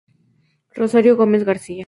Rosario Gómez García.